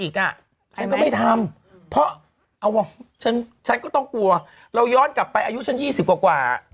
ก็เอาว่าฉันก็ต้องกลัวเราย้อนกลับไปอายุฉันยี่สิบกว่ากว่า